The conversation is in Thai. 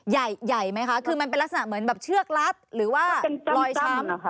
ใหญ่ใหญ่ไหมคะคือมันเป็นลักษณะเหมือนแบบเชือกลัดหรือว่าเป็นจ้ำจ้ำนะคะ